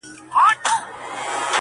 زما تصـور كي دي تصـوير ويده دی~